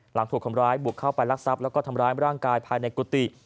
ถูกคนร้ายบุกเข้าไปรักทรัพย์แล้วก็ทำร้ายร่างกายภายในกุฏิ